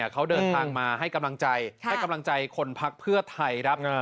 เขาเดินทางมาให้กำลังใจให้กำลังใจคนพักเพื่อไทยครับ